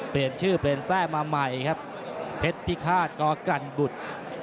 เปลี่ยนชื่อเปลี่ยนแทร่มาใหม่ครับเพชรพิฆาตกกันบุตร